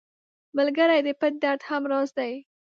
ملګری د پټ درد هم راز دی